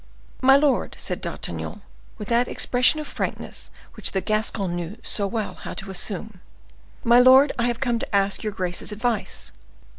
"My lord," said D'Artagnan, with that expression of frankness which the Gascon knew so well how to assume, "my lord, I have come to ask your grace's advice!"